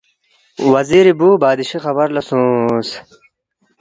وزیری بُو بادشی خبر لہ سونگس